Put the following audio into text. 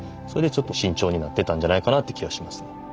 それでちょっと慎重になってたんじゃないかなって気がしますね。